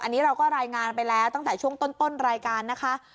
อันนี้เราก็รายงานไปแล้วตั้งแต่ช่วงต้นรายการนะคะ